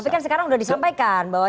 tapi kan sekarang sudah disampaikan bahwa